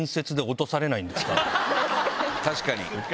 確かに。